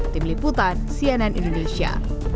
tim liputan cnn indonesia